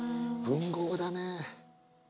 文豪だね。